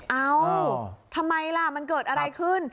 เอ้าทำไมล่ะมันเกิดอะไรขึ้น